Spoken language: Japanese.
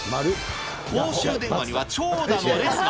公衆電話には長蛇の列が。